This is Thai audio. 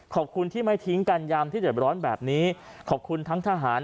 ขอบคุณที่ไม่ทิ้งกันยามที่เดือดร้อนแบบนี้ขอบคุณทั้งทหาร